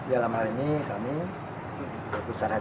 dalam hal ini kami berpisah hati untuk melakukan hal ini